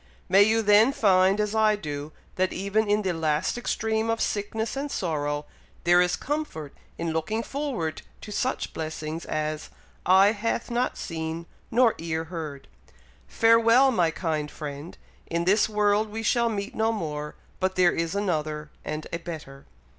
May you then find, as I do, that even in the last extreme of sickness and sorrow, there is comfort in looking forward to such blessings as 'eye hath not seen, nor ear heard.' Farewell, my kind friend! In this world we shall meet no more, but there is another and a better."